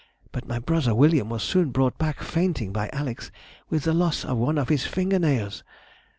But my brother William was soon brought back fainting by Alex with the loss of one of his finger nails.